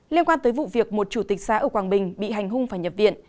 liên quan tới vụ việc một chủ tịch xã ở quảng bình bị hành hung phải nhập viện